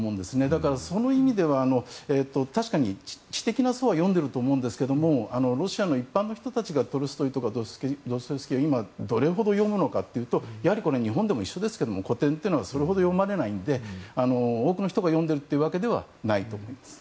だから、その意味では確かに、知的な層は読んでいると思うんですがロシアの一般の人たちがトルストイやドストエフスキーを今、どれほど読むのかというと日本でも一緒ですけど古典というのはそれほど読まれないので多くの人が読んでいるわけではないと思います。